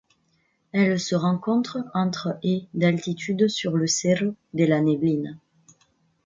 Elle se rencontre entre et d'altitude sur le Cerro de la Neblina.